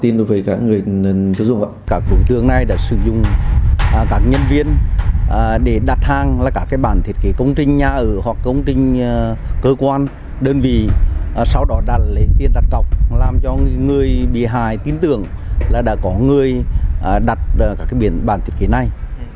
trong đường dây này tin tưởng là đã có người đặt các biển bản thiết kế này